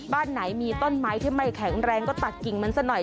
บ้านไหนมีต้นไม้ที่ไม่แข็งแรงก็ตัดกิ่งมันซะหน่อย